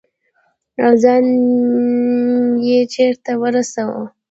او ځان یې چترال ته ورساوه.